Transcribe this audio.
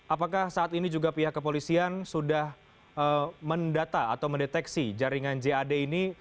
apakah saat ini juga pihak kepolisian sudah mendata atau mendeteksi jaringan jad ini